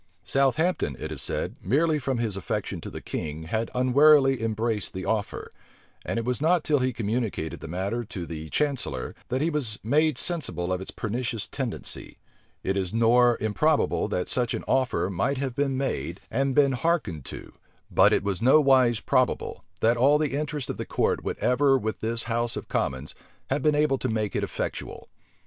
viii. p. 24 Southampton, it is said, merely from his affection to the king, had unwarily embraced the offer; and it was not till he communicated the matter to the chancellor, that he was made sensible of its pernicious tendency. It is nor improbable, that such an offer might have been made, and been hearkened to; but it is nowise probable, that all the interest of the court would ever with this house of commons, have been able to make it effectual.